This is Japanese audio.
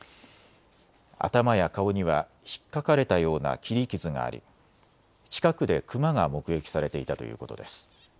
頭や顔には、ひっかかれたような切り傷があり近くでクマが目撃されていたということです。